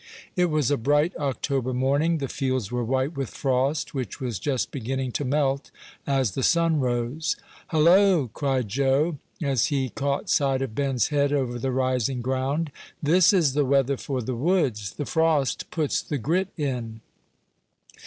It was a bright October morning; the fields were white with frost, which was just beginning to melt as the sun rose. "Halloa!" cried Joe, as he caught sight of Ben's head over the rising ground; "this is the weather for the woods; the frost puts the grit in."